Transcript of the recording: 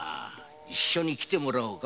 一緒に来てもらおうか。